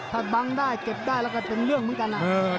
ถ้าบังได้เก็บได้แล้วก็เป็นเรื่องเหมือนกันนะ